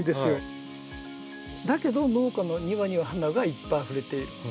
だけど農家の庭には花がいっぱいあふれている。